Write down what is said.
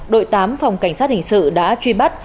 đội tám phòng cảnh sát hình sự đã truy bắt